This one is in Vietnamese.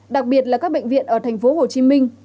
đặc biệt là các bệnh viện ở tp hcm